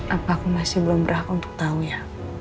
apa aku masih belum berhaku untuk tahu ya